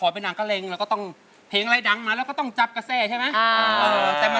เพลงอะไรดังแล้วยากต้องจะจับกระแสใช่ไหม